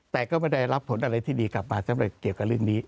แต่ก็ไม่ได้รับผลอะไรที่ดีกลับมาสำเร็จเกี่ยวกับเรื่องนี้